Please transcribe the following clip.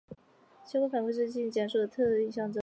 相关反馈是一些信息检索系统的特征。